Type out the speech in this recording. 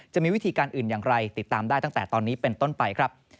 จะมีวิธีการอื่นอย่างไรติดตามได้ตั้งแต่ตอนนี้เป็นต้นไปครับ